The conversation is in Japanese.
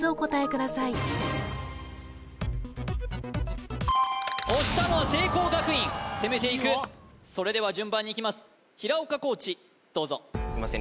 ください押したのは聖光学院攻めていくそれでは順番にいきます平岡航知どうぞすいません